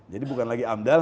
jadi bukan lagi amdal